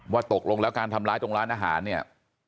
ตกลงแล้วการทำร้ายตรงร้านอาหารเนี่ย